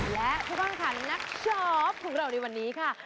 และเพื่อนค่ะนักชอบของเราในวันนี้ค่ะ